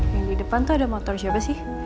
yang di depan tuh ada motor siapa sih